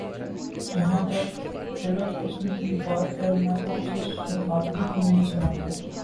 جہاں تک طلعت حسین کی بات ہے میں تو اسے صحافی ہی نہیں سمجھتا